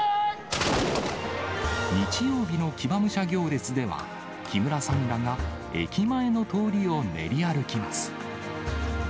日曜日の騎馬武者行列では、木村さんらが駅前の通りを練り歩きます。